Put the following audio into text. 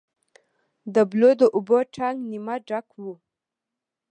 د بلو د اوبو ټانک نیمه ډک و.